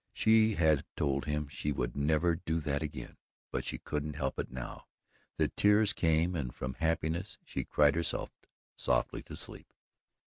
She had told him she would never do that again, but she couldn't help it now the tears came and from happiness she cried herself softly to sleep.